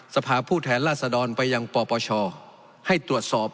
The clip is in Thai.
สภาพผู้แทนราษดรไปยังปปชให้ตรวจสอบ